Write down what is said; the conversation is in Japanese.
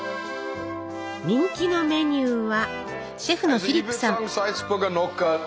人気のメニューは。